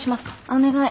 お願い。